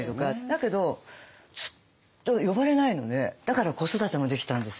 だけど呼ばれないのでだから子育てもできたんです。